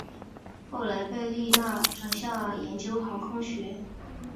后来贝利纳转向研究航空学。